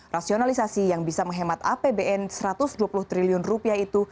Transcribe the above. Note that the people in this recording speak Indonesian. rasionalisasi yang bisa menghemat apbn satu ratus dua puluh triliun rupiah itu